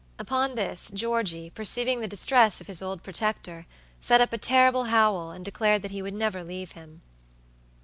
Upon this, Georgie, perceiving the distress of his old protector, set up a terrible howl, and declared that he would never leave him.